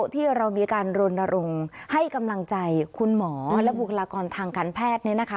ที่เรามีการลงให้กำลังใจคุณหมอและบุคลากรทางการแพทย์นี้นะคะ